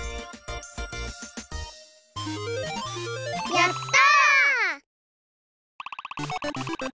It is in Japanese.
やった！